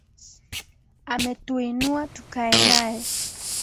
Ametuinua tukae naye